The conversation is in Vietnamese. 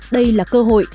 đây là cơ hội